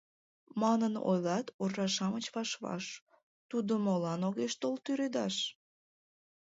Манын ойлат уржа-шамыч ваш-ваш: Тудо молан огеш тол тӱредаш?»